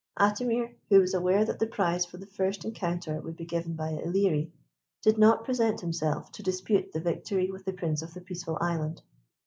Atimir, who was aware that the prize for the first encounter would be given by Ilerie, did not present himself to dispute the victory with the Prince of the Peaceful Island.